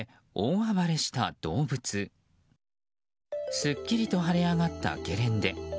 すっきりと晴れ上がったゲレンデ。